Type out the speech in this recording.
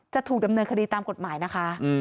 จะถูกดำเนินคดีตามกฎหมายนะคะ